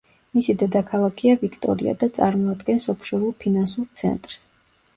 მისი დედაქალაქია ვიქტორია და წარმოადგენს ოფშორულ ფინანსურ ცენტრს.